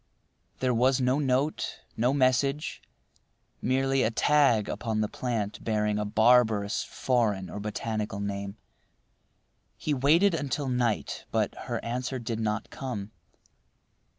There was no note, no message, merely a tag upon the plant bearing a barbarous foreign or botanical name. He waited until night, but her answer did not come.